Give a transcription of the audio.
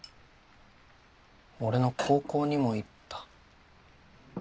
俺の高校にも行った。